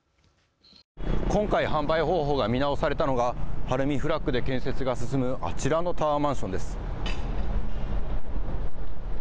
今回、販売方法が見直されたのが晴海フラッグで建設が進むあちらのタワーマンションです。